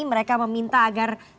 mereka meminta agar segera